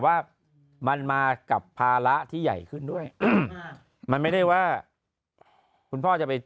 ว่ามันมากับภาระที่ใหญ่ขึ้นด้วยอืมมันไม่ได้ว่าคุณพ่อจะไป